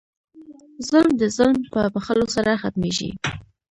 ظلم د ظلم په بښلو سره ختمېږي.